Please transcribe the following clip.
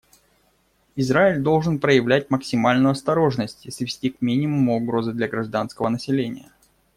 Израиль должен проявлять максимальную осторожность и свести к минимуму угрозы для гражданского населения.